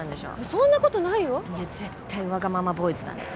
そんなことないよいや絶対わがままボーイズだね